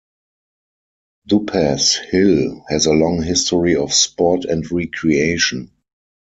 Duppas Hill has a long history of sport and recreation.